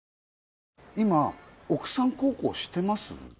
今奥さん孝行してます？